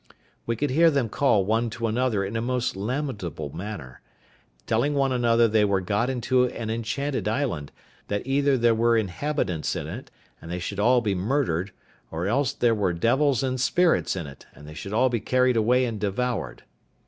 We could hear them call one to another in a most lamentable manner, telling one another they were got into an enchanted island; that either there were inhabitants in it, and they should all be murdered, or else there were devils and spirits in it, and they should be all carried away and devoured.